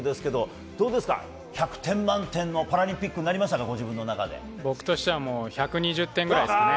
どうですか、１００点満点のパラリンピックに僕としては１２０点ぐらいですかね！